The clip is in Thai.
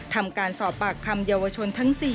ทำการสอบปากคำเยาวชนทั้ง๔